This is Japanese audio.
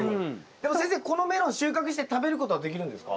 でも先生このメロン収穫して食べることはできるんですか？